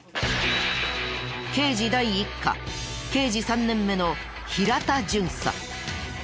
刑事第一課刑事３年目の平田巡査。